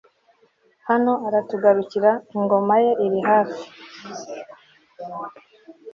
Hano aratugarukira ingoma ye iri hafi